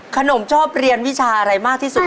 ชอบเรียนวิชาอะไรมากที่สุด